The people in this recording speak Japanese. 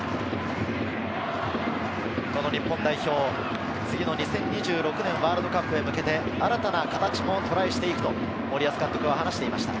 日本代表、次の２０２６年ワールドカップに向けて新たな形もトライしていくと森保監督は話していました。